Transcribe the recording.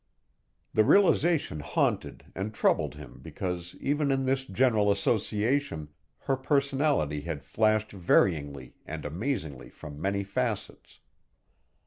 The realization haunted and troubled him because even in this general association, her personality had flashed varyingly and amazingly from many facets.